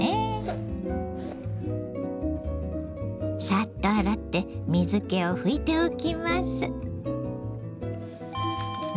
さっと洗って水けをふいておきます。